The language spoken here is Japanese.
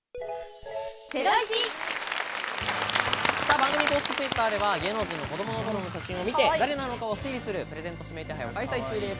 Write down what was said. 番組公式Ｔｗｉｔｔｅｒでは芸能人の子供の頃の写真を見て誰なのかを推理するプレゼント指名手配を開催中です。